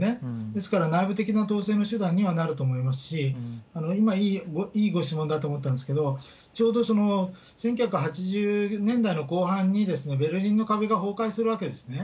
ですから内部的な統制の手段にはなると思いますし、今、いいご質問だと思ったんですけど、ちょうど１９８０年代の後半に、ベルリンの壁が崩壊するわけですね。